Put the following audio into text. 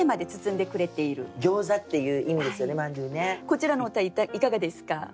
こちらの歌いかがですか？